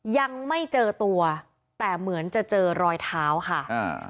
ยังไม่เจอตัวแต่เหมือนจะเจอรอยเท้าค่ะอ่า